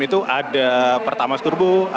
itu ada pertamas travailler